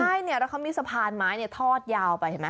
ใช่แล้วเขามีสะพานไม้ทอดยาวไป